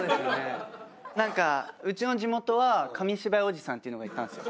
なんかうちの地元は紙芝居おじさんっていうのがいたんですよ。